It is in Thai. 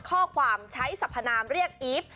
ข้อความใช้สัพพนามเรียกอีฟ